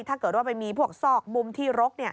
ถ้าเกิดว่าไปมีพวกซอกมุมที่รก